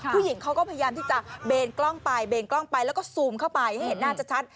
ผู้หญิงเขาก็พยายามที่จะเบนกล้องไปเบนกล้องไปแล้วก็ซูมเข้าไปให้เห็นหน้าชัด